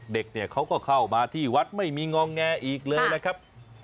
เด็กเนี่ยเขาก็เข้ามาที่วัดไม่มีงองแงอีกเลยนะครับ